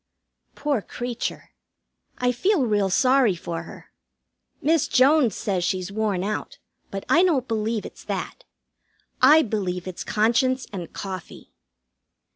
Poor creature, I feel real sorry for her. Miss Jones says she's worn out, but I don't believe it's that. I believe it's conscience and coffee.